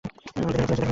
ওরা আমাদের ধরে ফেলেছে!